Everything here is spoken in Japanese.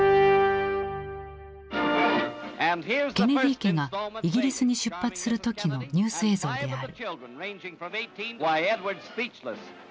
ケネディ家がイギリスに出発する時のニュース映像である。